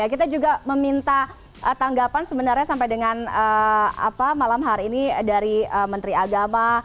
kita juga meminta tanggapan sebenarnya sampai dengan malam hari ini dari menteri agama